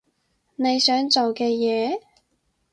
你想做嘅嘢？